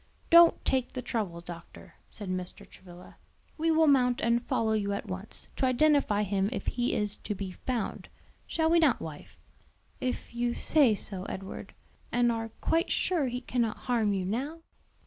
"Don't take the trouble, doctor," said Mr. Travilla; "we will mount and follow you at once, to identify him if he is to be found. Shall we not, wife?" "If you say so, Edward, and are quite sure he cannot harm you now?"